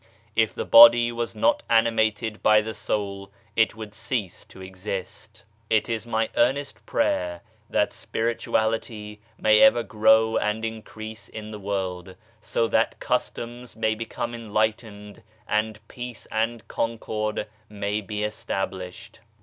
If the body was not animated by the soul, it would cease to exist. It is my earnest prayer that spirituality may ever grow and increase in the world, SPIRITUALITY 99 so tnat customs may become enlightened and peace and concord may be established.